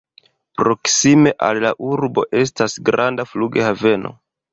Proksime al la urbo estas granda flughaveno.